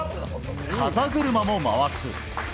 風車も回す。